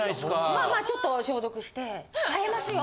まあまあちょっと消毒して使えますよ。